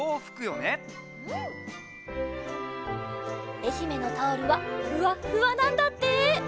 えひめのタオルはふわっふわなんだって！